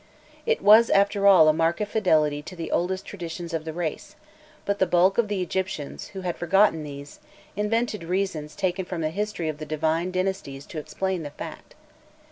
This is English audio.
It was, after all, a mark of fidelity to the oldest traditions of the race, but the bulk of the Egyptians, who had forgotten these, invented reasons taken from the history of the divine dynasties to explain the fact.